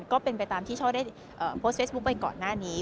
ก็เป็นไปตามที่ช่อได้โพสต์เฟซบุ๊คไปก่อนหน้านี้